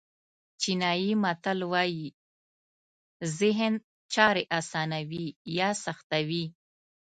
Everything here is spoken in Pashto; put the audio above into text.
چینایي متل وایي ذهن چارې آسانوي یا سختوي.